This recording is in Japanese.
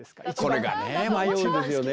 これがねえ迷うんですよね。